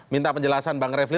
minta penjelasan bang revli